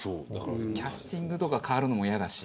キャスティングとか替わるのも嫌だし。